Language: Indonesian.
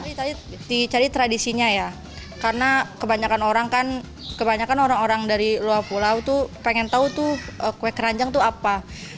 jadi tadi dicari tradisinya ya karena kebanyakan orang orang dari luar pulau itu pengen tahu kue keranjang itu apa